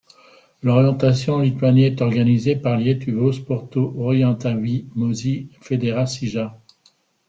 L'Orientation en Lituanie est organisé par le Lietuvos Sporto Orientavimosi Federacija.